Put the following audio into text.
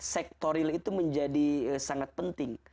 sektor real itu menjadi sangat penting